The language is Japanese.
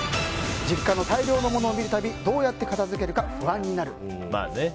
実家の大量の物を見るたびどうやって片付けるか不安になる。